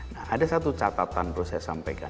nah ada satu catatan perlu saya sampaikan